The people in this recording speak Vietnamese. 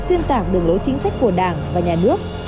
xuyên tạc đường lối chính sách của đảng và nhà nước